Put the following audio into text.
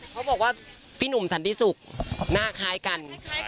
เขาบอกว่าพี่หนุ่มสันติศุกร์หน้าคล้ายกัน